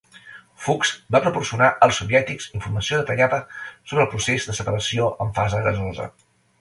Fuchs va proporcionar als soviètics informació detallada sobre el procés de separació en fase gasosa.